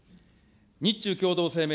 日中共同声明